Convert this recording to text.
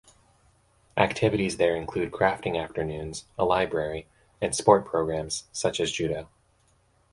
Activities there include crafting afternoons, a library, and sport programs, such as judo.